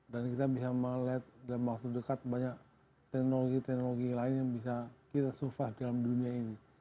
dan kita bisa melihat dalam waktu dekat banyak teknologi teknologi lain yang bisa kita sufer dalam dunia ini